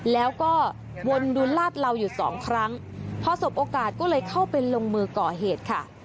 แล้วก็วนดูลาดเหลาอยู่สองครั้งพอสบโอกาสก็เลยเข้าไปลงมือก่อเหตุค่ะ